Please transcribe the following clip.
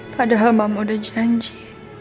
padahal mama udah janji